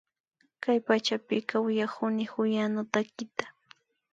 Kay pachapika uyakuni huyano takita